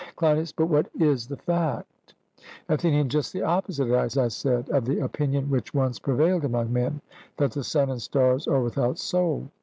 CLEINIAS: But what is the fact? ATHENIAN: Just the opposite, as I said, of the opinion which once prevailed among men, that the sun and stars are without soul.